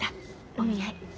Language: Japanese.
お見合い。